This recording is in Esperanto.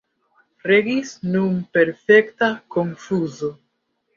Regis nun perfekta konfuzo.